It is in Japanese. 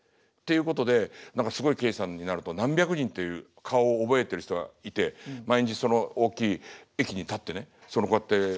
っていうことで何かすごい刑事さんになると何百人という顔を覚えてる人がいて毎日その大きい駅に立ってねそのこうやって。